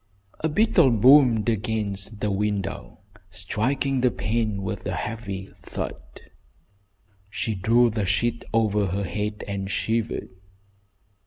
A beetle boomed against the window, striking the pane with a heavy thud. She drew the sheet over her head and shivered.